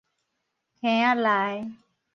坑仔內